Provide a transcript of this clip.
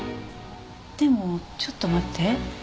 でもちょっと待って。